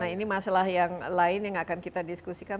nah ini masalah yang lain yang akan kita diskusikan